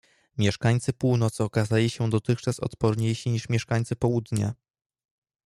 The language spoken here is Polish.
"Mieszkańcy północy okazali się dotychczas odporniejsi niż mieszkańcy południa."